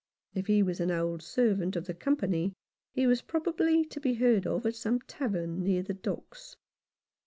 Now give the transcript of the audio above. If he was an old servant of the Company he was probably to be heard of at some tavern near the docks.